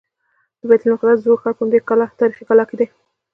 د بیت المقدس زوړ ښار په همدې تاریخي کلا کې دی.